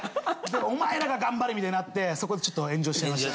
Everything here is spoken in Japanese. お前らが頑張れみたいになってそこでちょっと炎上しちゃいました。